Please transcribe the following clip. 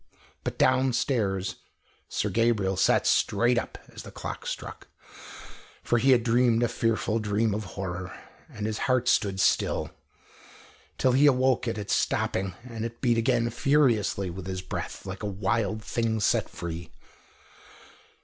But downstairs Sir Gabriel sat straight up as the clock struck, for he had dreamed a fearful dream of horror, and his heart stood still, till he awoke at its stopping, and it beat again furiously with his breath, like a wild thing set free.